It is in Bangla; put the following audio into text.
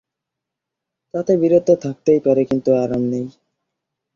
তাতে বীরত্ব থাকতে পারে কিন্তু আরাম নেই।